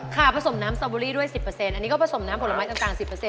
ผสมน้ำสตอเบอรี่ด้วย๑๐อันนี้ก็ผสมน้ำผลไม้ต่าง๑๐